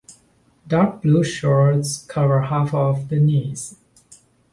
Dark blue shorts cover half of the knees.